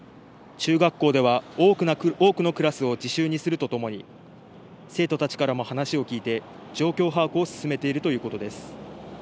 中学校では多くのクラスを自習にするとともに生徒たちからも話を聞いて状況把握を進めているということです。